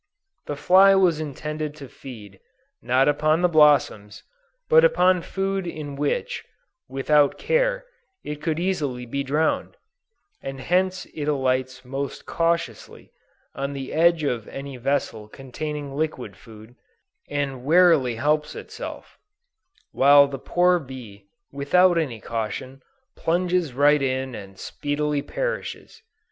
The fly was intended to feed, not upon the blossoms, but upon food in which, without care, it could easily be drowned; and hence it alights most cautiously, on the edge of any vessel containing liquid food, and warily helps itself: while the poor bee, without any caution, plunges right in and speedily perishes.